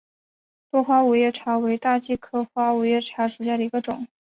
多花五月茶为大戟科五月茶属下的一个种。